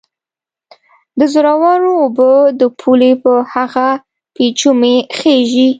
د زورورو اوبه د پولې په هغه پېچومي خېژي